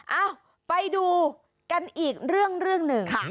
เอ้าไปดูกันอีกเรื่องหนึ่ง